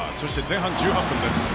前半１８分です。